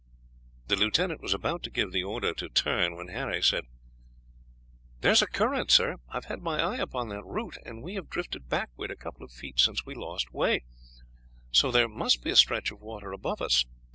The lieutenant was about to give the order to turn when Harry said, suddenly, "There is a current, sir. I have had my eye upon that root, and we have drifted backwards a couple of feet since we lost way, so there must be a stretch of water above us."